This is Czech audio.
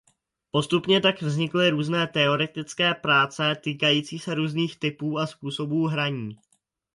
Postupně tak vznikly různé teoretické práce týkající se různých typů a způsobů hraní.